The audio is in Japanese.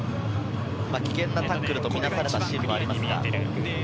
危険なタックルとみなされたシーンがありました。